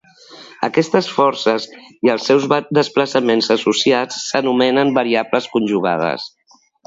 Aquestes forces i els seus desplaçaments associats s'anomenen variables conjugades.